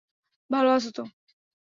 ভালো আছো তো?